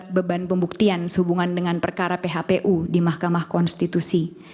ada beban pembuktian sehubungan dengan perkara phpu di mahkamah konstitusi